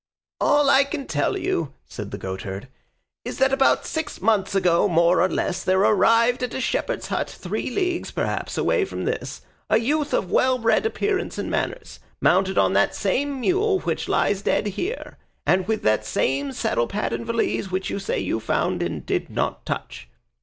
"All I can tell you," said the goatherd, "is that about six months ago, more or less, there arrived at a shepherd's hut three leagues, perhaps, away from this, a youth of well bred appearance and manners, mounted on that same mule which lies dead here, and with the same saddle pad and valise which you say you found and did not touch.